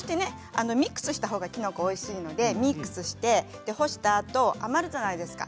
ミックスしたほうがきのこおいしいので、ミックスして干したあと余るじゃないですか。